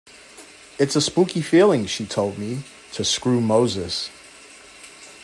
'It's a spooky feeling,' she told me, 'to screw Moses.